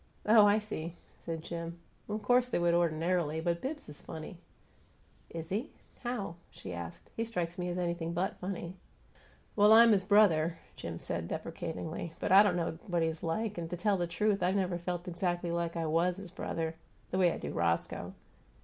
"Oh, I see!" said Jim. "Of course they would ordinarily, but Bibbs is funny." "Is he? How?" she asked. "He strikes me as anything but funny." "Well, I'm his brother," Jim said, deprecatingly, "but I don't know what he's like, and, to tell the truth, I've never felt exactly like I WAS his brother, the way I do Roscoe.